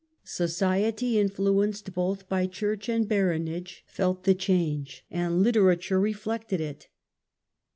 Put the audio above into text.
Society, in fluenced both by church and baronage, felt the change, and literature reflected it.